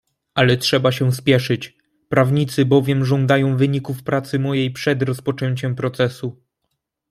"Ale trzeba się spieszyć, prawnicy bowiem żądają wyników pracy mojej przed rozpoczęciem procesu."